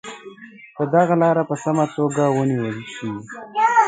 که دغه لاره په سمه توګه ونیول شي.